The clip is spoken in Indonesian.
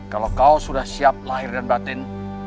kalau kau sudah siap lahir dan batin